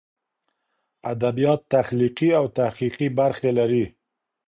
ادبیات تخلیقي او تحقیقي برخې لري.